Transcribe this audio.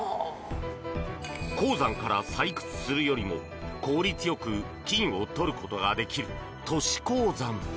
鉱山から採掘するよりも効率よく金を取ることができる都市鉱山。